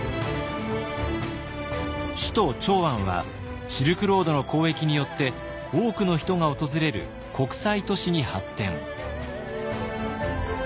首都長安はシルクロードの交易によって多くの人が訪れる国際都市に発展。